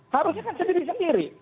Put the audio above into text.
harusnya kan sendiri sendiri